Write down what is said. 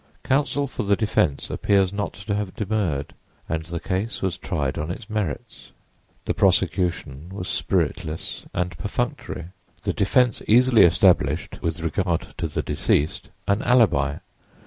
Counsel for the defense appears not to have demurred and the case was tried on its merits. The prosecution was spiritless and perfunctory; the defense easily established—with regard to the deceased—an alibi.